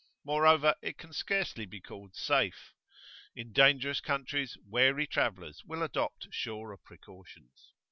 Moreover, it can scarcely be called safe. In dangerous countries wary travellers will adopt surer precautions.